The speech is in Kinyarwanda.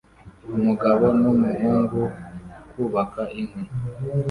umugabo n'umuhungu kubaka inkwi